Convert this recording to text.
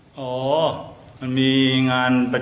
สวัสดีครับสวัสดีครับ